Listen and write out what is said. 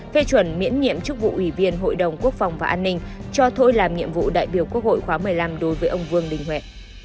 phê chuẩn miễn nhiệm chức vụ ủy viên hội đồng quốc phòng và an ninh cho thôi làm nhiệm vụ đại biểu quốc hội khóa một mươi năm đối với ông vương đình huệ